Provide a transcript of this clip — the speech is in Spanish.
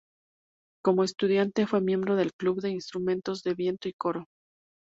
Como estudiante, fue miembro del club de instrumentos de viento y coro.